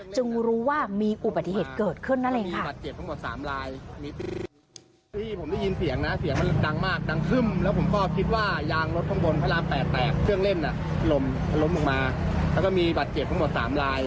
จึงรู้ว่ามีอุบัติเหตุเกิดขึ้นนั่นแหละค่ะ